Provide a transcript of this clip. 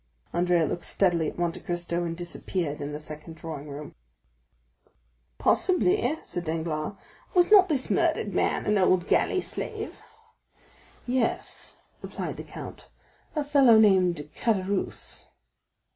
Andrea looked steadily at Monte Cristo and disappeared in the second drawing room. "Possibly," said Danglars; "was not this murdered man an old galley slave?" 50025m "Yes," replied the count; "a felon named Caderousse."